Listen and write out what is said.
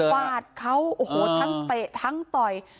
เอาก็กรีบกวาดเขาทั้งเตะทั้งต่อย